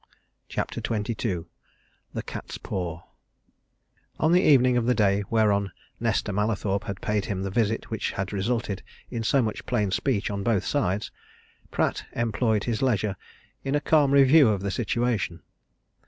CHAPTER XXII THE CAT'SPAW On the evening of the day whereon Nesta Mallathorpe had paid him the visit which had resulted in so much plain speech on both sides, Pratt employed his leisure in a calm review of the situation.